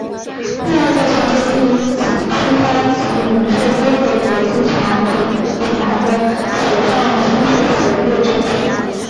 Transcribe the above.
业务在全球经营批发及零售多个国际品牌的时尚舒适鞋类产品。